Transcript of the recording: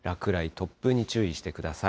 落雷、突風に注意してください。